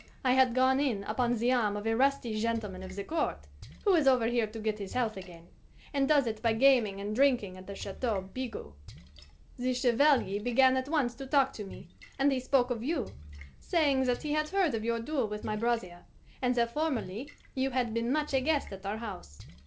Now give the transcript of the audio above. I had gone in upon the arm of a rusty gentleman of the Court, who is over here to get his health again, and does it by gaming and drinking at the Chateau Bigot. The Chevalier began at once to talk to me, and he spoke of you, saying that he had heard of your duel with my brother, and that formerly you had been much a guest at our house.